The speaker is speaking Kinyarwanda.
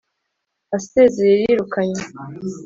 asezeye yirukanywe